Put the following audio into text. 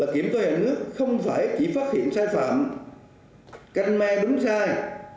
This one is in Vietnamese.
kiểm toán nhà nước không chỉ phát hiện sai phạm canh me đúng sai